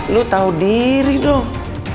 lu tau diri dong